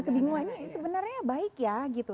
kebingungan ini sebenarnya baik ya gitu